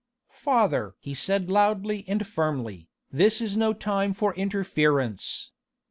"Father!" he said loudly and firmly, "this is no time for interference.